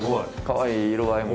かわいい色合い。